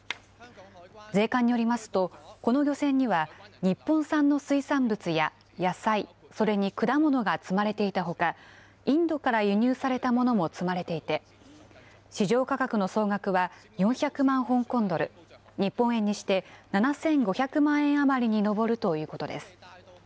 税関によりますと、この漁船には日本産の水産物や野菜、それに果物が積まれていたほか、インドから輸入されたものも積まれていて、市場価格の総額は４００万香港ドル、日本円にして７５００万円余りに上るということです。